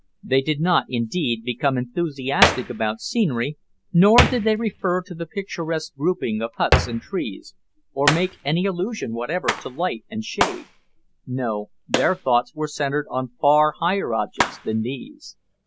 They did not, indeed, become enthusiastic about scenery, nor did they refer to the picturesque grouping of huts and trees, or make any allusion whatever to light and shade; no, their thoughts were centred on far higher objects than these.